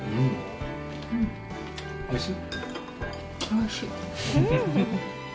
おいしい。